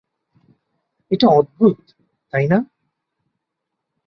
এটা অদ্ভুত, তাই না?